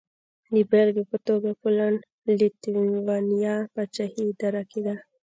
د بېلګې په توګه پولنډ-لېتوانیا پاچاهي اداره کېده.